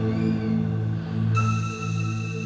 sampai jumpa lagi mams